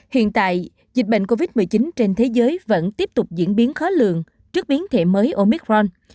hiện tại dịch bệnh covid một mươi chín trên thế giới vẫn tiếp tục diễn biến khó lường trước biến thể mới omicron